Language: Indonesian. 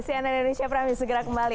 cnn indonesia prami segera kembali